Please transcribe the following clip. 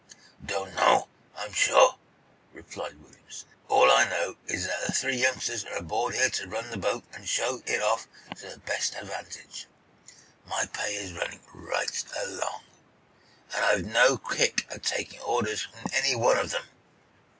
"Don't know, I'm sure," replied Williamson. "All I know is that the three youngsters are aboard here to run the boat and show it off to the best advantage. My pay is running right along, and I've no kick at taking orders from any one of them."